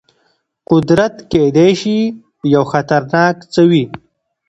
قدرت کېدای شي یو خطرناک څه وي.